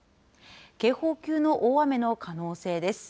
警報級の大雨の可能性です。